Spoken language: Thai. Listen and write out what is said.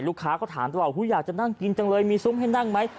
ลูกค้าก็ถามตลอดอยากจะนั่งกินจังเลยมีซุ้มให้นั่งไหม